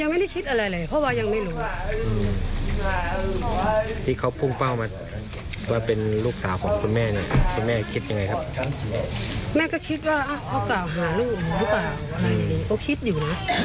ก็คิดอยู่เนี่ยอย่างนี้ไม่ไหวก็คิดอยู่